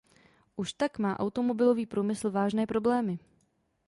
Už tak má automobilový průmysl vážně problémy.